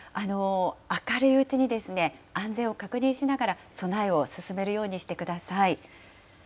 明るいうちに安全を確認しながら、備えを進めるようにしてください。